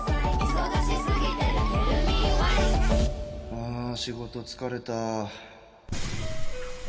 ああ仕事疲れた